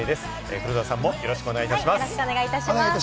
黒田さんもよろしくお願いいたします。